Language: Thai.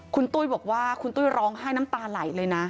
คุณตุ้ยบอกว่าคุณตุ้ยร้องไห้น้ำตาไหลเลยนะ